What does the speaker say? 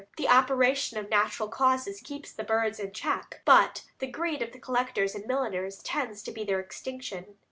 The operation of natural causes keeps the birds in check, but the greed of the collectors and milliners tends to their extinction.